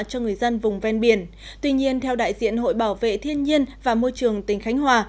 cho người dân vùng ven biển tuy nhiên theo đại diện hội bảo vệ thiên nhiên và môi trường tỉnh khánh hòa